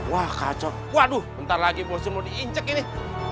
wah kacau waduh bentar lagi bosnya mau diincek ini